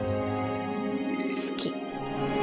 好き。